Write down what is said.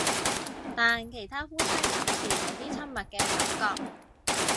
但其他夫妻有時有啲親密嘅感覺